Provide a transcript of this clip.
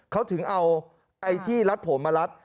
เขาถึงเอาไอ้ที่รัดผมมารัด